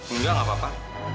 enggak gak papa